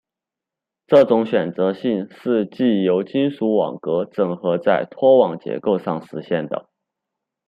这种选择性是藉由金属网格整合在拖网结构上实现的。